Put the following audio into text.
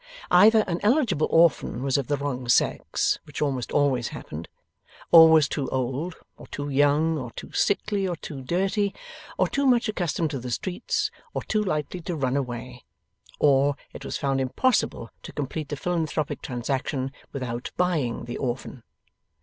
Either an eligible orphan was of the wrong sex (which almost always happened) or was too old, or too young, or too sickly, or too dirty, or too much accustomed to the streets, or too likely to run away; or, it was found impossible to complete the philanthropic transaction without buying the orphan.